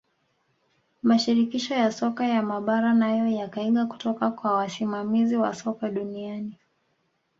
mashirikisho ya soka ya mabara nayo yakaiga kutoka kwa wasimamizi wa soka duniani